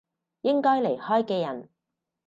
應該離開嘅人